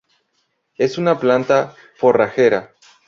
Es una planta forrajera.